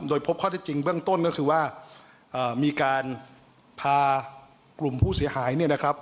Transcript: โดยพบข้อที่จริงเบื้องต้นก็คือว่ามีการพากลุ่มผู้เสียหายเนี่ยนะครับ